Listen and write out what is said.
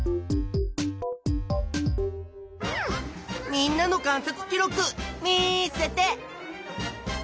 みんなの観察記録見せて！